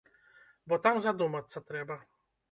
Бо там задумацца трэба.